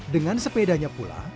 dengan sepedanya pula